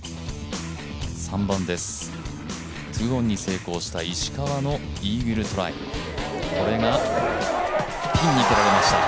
３番です、２オンに成功した石川のイーグルトライ、これがピンに拒まれました。